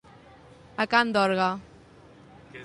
A cant d'orgue.